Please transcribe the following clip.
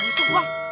ini sup gua